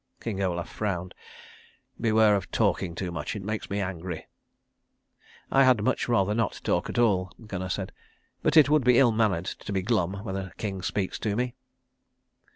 King Olaf frowned. "Beware of talking too much. It makes me angry." "I had much rather not talk at all," Gunnar said, "but it would be ill mannered to be glum when a king speaks to me."